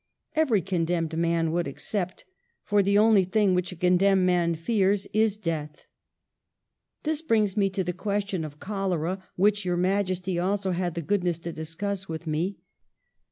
"Every condemned man would accept. For the only thing which a condemned man fears is death. 'This brings me to the question of cholera, which Your Majesty also had the goodness to discuss with me.